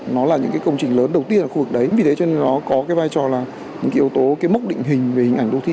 nó là những công trình lớn đầu tiên ở khu vực đấy vì thế cho nên nó có vai trò là những yếu tố mốc định hình về hình ảnh đô thị